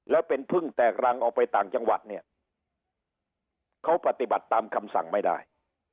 แล้วเป็นพึ่งแตกรังออกไปต่างจังหวัดเนี่ยเขาปฏิบัติตามคำสั่งไม่ได้